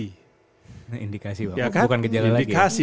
ini bukan gejala lagi